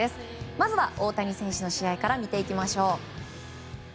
まずは大谷選手の試合から見ていきましょう。